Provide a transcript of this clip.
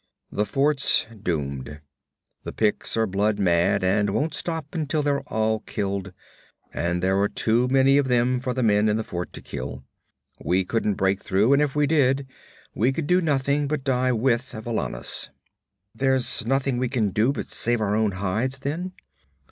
'The fort's doomed. The Picts are blood mad, and won't stop until they're all killed. And there are too many of them for the men in the fort to kill. We couldn't break through, and if we did, we could do nothing but die with Valannus.' 'There's nothing we can do but save our own hides, then?'